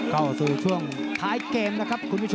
เข้าสู่ช่วงท้ายเกมนะครับคุณผู้ชม